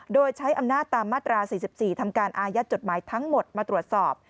โดยใช้อำนาจตามมาตรา๔๔ทำการอายัดจดหมายทั้งหมดมาตรวจสอบ